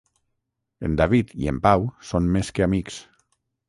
En David i en Pau són més que amics.